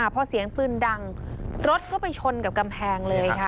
พอเสียงปืนดังรถก็ไปชนกับกำแพงเลยค่ะ